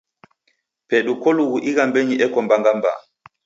Pedu kolughu ighambenyi eko mbanga mbaa.